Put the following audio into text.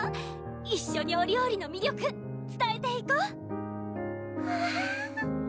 一緒にお料理の魅力つたえていこ！